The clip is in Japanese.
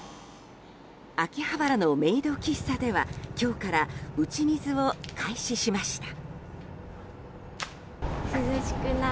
秋葉原のメイド喫茶では今日から打ち水を開始しました。